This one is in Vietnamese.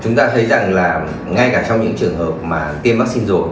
chúng ta thấy rằng là ngay cả trong những trường hợp mà tiêm vaccine rồi